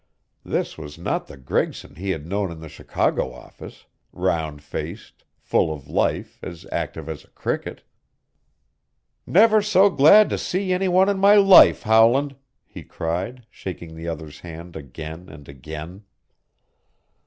This was not the Gregson he had known in the Chicago office, round faced, full of life, as active as a cricket. "Never so glad to see any one in my life, Howland!" he cried, shaking the other's hand again and again.